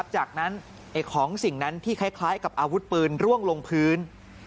จากนั้นของสิ่งนั้นที่คล้ายกับอาวุธปืนร่วงลงพื้น